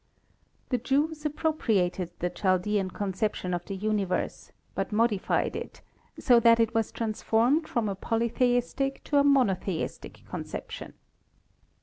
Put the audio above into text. The Jews appropriated the Chaldean conception of the universe, but modified it, so that it was transformed from a polytheistic to a monotheistic conception.